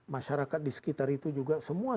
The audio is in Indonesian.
masyarakat di sekitar itu juga semua